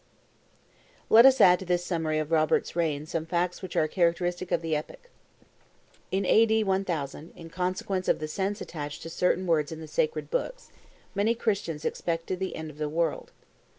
[Illustration: NOTRE DAME 310] Let us add to this summary of Robert's reign some facts which are characteristic of the epoch. In A.D. 1000, in consequence of the sense attached to certain words in the Sacred Books, many Christians expected the end of the world.